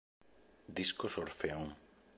Discos Orfeón